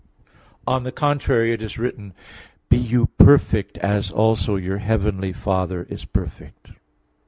On the contrary, It is written: "Be you perfect as also your heavenly Father is perfect" (Matt.